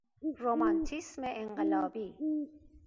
رمانتیسم انقلابی